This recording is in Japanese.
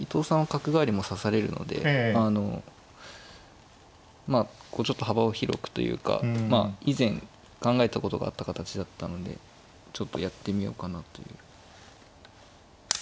角換わりも指されるのであのまあちょっと幅を広くというかまあ以前考えたことがあった形だったのでちょっとやってみようかなという。